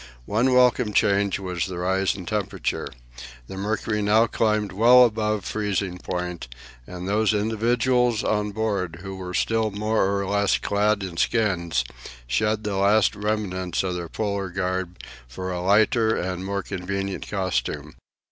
One welcome change was the rise in temperature; the mercury now climbed well above freezing point, and those individuals on board who were still more or less clad in skins, shed the last remnants of their Polar garb for a lighter and more convenient costume.